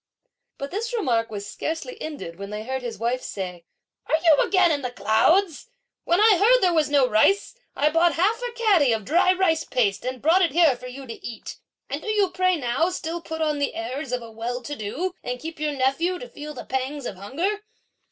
But this remark was scarcely ended when they heard his wife say: "Are you again in the clouds? When I heard that there was no rice, I bought half a catty of dry rice paste, and brought it here for you to eat; and do you pray now still put on the airs of a well to do, and keep your nephew to feel the pangs of hunger?"